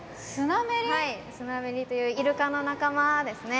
はいスナメリというイルカの仲間ですね。